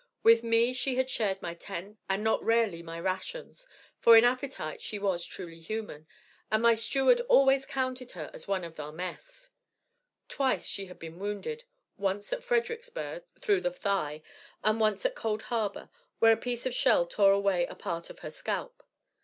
With me she had shared my tent, and not rarely my rations, for in appetite she was truly human, and my steward always counted her as one of our 'mess.' Twice had she been wounded once at Fredericksburg, through the thigh; and once at Cold Harbor, where a piece of shell tore away a part of her scalp.